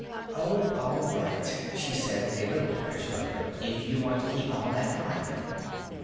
"Oh, all right," she said, a little petulantly. "If you want to keep all that private."